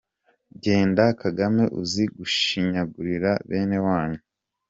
Genda Kagame uzi gushinyagurira bene wanyu….